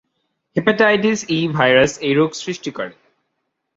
Hepatitis E virus এই রোগ সৃষ্টি করে।